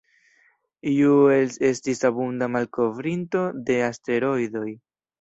Juels estis abunda malkovrinto de asteroidoj.